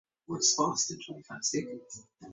Of Cunedda personally even less is known.